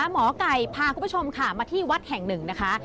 หมอไก่พาคุณผู้ชมค่ะมาที่วัดแห่งหนึ่งนะคะ